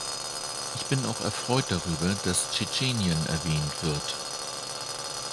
Ich bin auch erfreut darüber, dass Tschetschenien erwähnt wird.